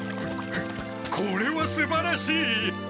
これはすばらしい！